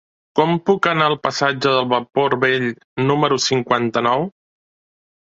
Com puc anar al passatge del Vapor Vell número cinquanta-nou?